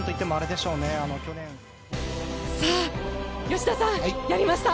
吉田さんやりました！